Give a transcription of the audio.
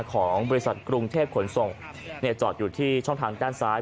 ของบริษัทกรุงเทพขนส่งจอดอยู่ที่ช่องทางด้านซ้าย